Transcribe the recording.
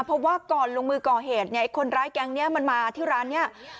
เพราะว่าก่อนลงมือก่อเหตุเนี่ยคนร้ายแก๊งนี้มันมาที่ร้านนี้